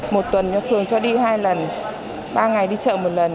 một tuần cho phường cho đi hai lần ba ngày đi chợ một lần